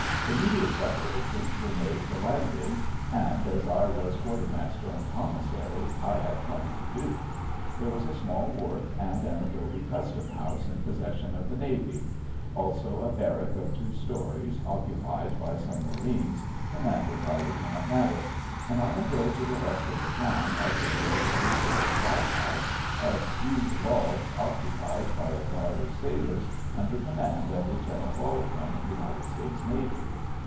Immediate preparations were made for landing, and, as I was quartermaster and commissary, I had plenty to do. There was a small wharf and an adobe custom house in possession of the navy; also a barrack of two stories, occupied by some marines, commanded by Lieutenant Maddox; and on a hill to the west of the town had been built a two story block house of hewed logs occupied by a guard of sailors under command of Lieutenant Baldwin, United States Navy.